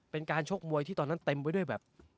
เป็นการชกมวยที่ตอนนั้นเต็มไว้ด้วยแบบ